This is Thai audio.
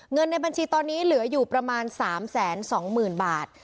เงินในบัญชีตอนนี้เหลืออยู่ประมาณ๓๒๐๐๐บาท